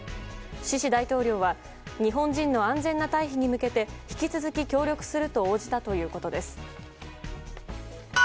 シシ大統領は日本人の安全な退避に向けて引き続き協力すると応じたということです。